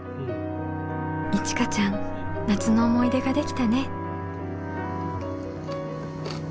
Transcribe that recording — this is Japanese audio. いちかちゃん夏の思い出ができたね。